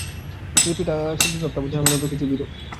গিন্নীর ভাবটা বোধ হয় আমার উপর কিছু বিরূপ।